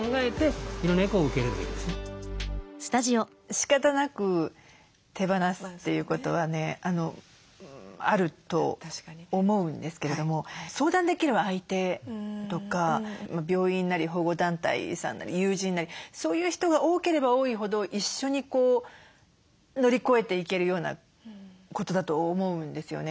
しかたなく手放すっていうことはねあると思うんですけれども相談できる相手とか病院なり保護団体さんなり友人なりそういう人が多ければ多いほど一緒に乗り越えていけるようなことだと思うんですよね。